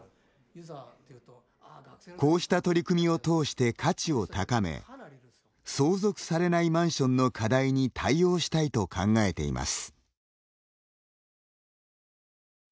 こうした取り組みを通して価値を高め相続されないマンションの課題に対応したいと考えています。